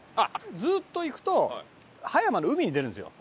ずっと行くと葉山の海に出るんですよ。